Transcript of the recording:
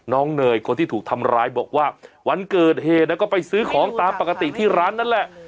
เนยคนที่ถูกทำร้ายบอกว่าวันเกิดเหตุก็ไปซื้อของตามปกติที่ร้านนั่นแหละ